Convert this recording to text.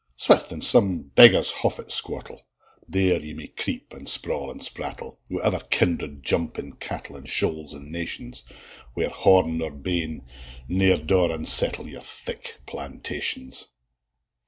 Swith! in some beggar's haffet squattle; There ye may creep, and sprawl, and sprattle, Wi' ither kindred, jumping cattle, In shoals and nations; Whaur horn nor bane ne'er daur unsettle Your thick plantations.